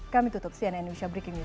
kami tutup cnn indonesia breaking news